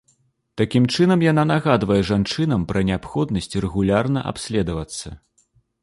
Такім чынам яна нагадвае жанчынам пра неабходнасць рэгулярна абследавацца.